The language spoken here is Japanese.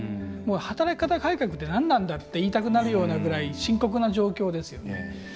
働き方改革ってなんなんだよって言いたくなるようなぐらい深刻な状況です。